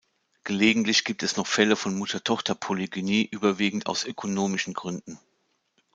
Gelegentlich gibt es noch Fälle von Mutter-Tochter-Polygynie, überwiegend aus ökonomischen Gründen.